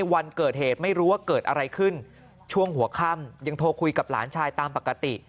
วันเกิดเหตุไม่รู้ว่าเกิดอะไรขึ้นช่วงหัวค่ำยังโทรคุยกับหลานชายตามปกติ